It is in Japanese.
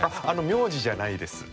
名字じゃないです。